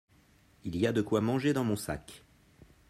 Il y a de quoi manger dans mon sac.